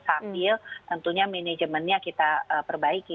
sambil tentunya manajemennya kita perbaiki